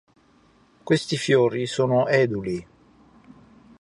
Questi fiori sono eduli.